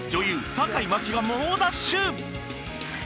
坂井真紀が猛ダッシュ！